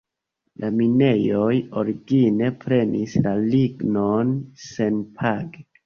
La minejoj origine prenis la lignon senpage.